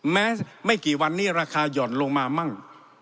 แม้ไม่กี่วันนี้ราคาหย่อนลงมามั่ง